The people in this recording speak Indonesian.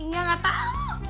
engga enggak tau